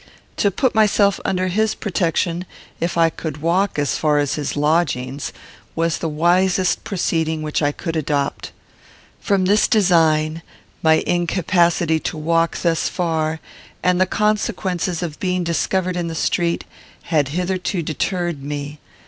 To put myself under his protection, if I could walk as far as his lodgings, was the wisest proceeding which I could adopt. From this design, my incapacity to walk thus far, and the consequences of being discovered in the street, had hitherto deterred me.